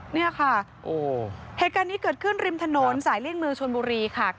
เนี่ยค่ะเหตุการณ์นี้เกิดขึ้นริมถนนสายเลี่ยงเมืองชนบุรีค่ะ